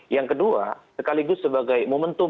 yang kedua sekaligus sebagai momentum